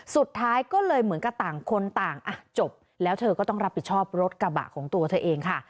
สุดท้ายก็เลยเหมือนกับต่างคนต่างอ่ะจบแล้วเธอก็ต้องรับผิดชอบรถกระบะของตัวเธอเองค่ะ